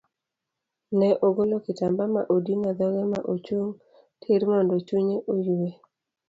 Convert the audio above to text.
Ne ogolo kitamba ma odino dhoge ma ochung tir mondo chunye oyue.